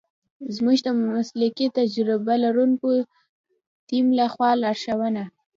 زمونږ د مسلکي تجربه لرونکی تیم لخوا لارښونه